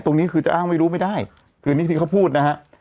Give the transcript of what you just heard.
ตรงนี้คือจะอ้างไม่รู้ไม่ได้คือนี่ที่เขาพูดนะฮะ